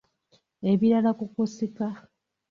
Ebirala ku kusika.